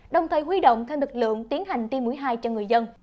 đồng thời huy động thêm lực lượng tiến hành tiêm mũi hai cho người dân